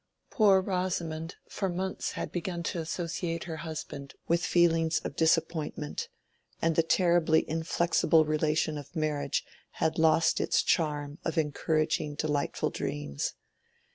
Poor Rosamond for months had begun to associate her husband with feelings of disappointment, and the terribly inflexible relation of marriage had lost its charm of encouraging delightful dreams.